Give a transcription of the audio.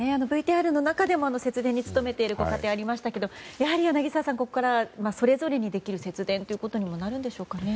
ＶＴＲの中でも節電に努めているご家庭はありましたがやはり柳澤さん、それぞれにできる節電ということにもなるんでしょうかね。